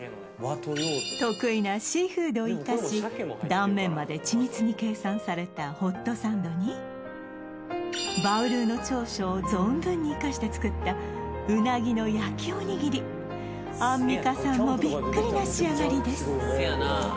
得意なシーフードを生かし断面まで緻密に計算されたホットサンドにバウルーの長所を存分に生かして作ったアンミカさんもびっくりな仕上がりです